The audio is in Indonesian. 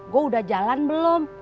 gue udah jalan belum